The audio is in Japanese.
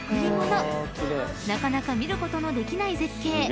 ［なかなか見ることのできない絶景］